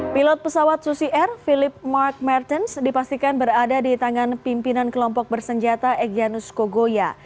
pilot pesawat susi air philip mark mertens dipastikan berada di tangan pimpinan kelompok bersenjata egyanus kogoya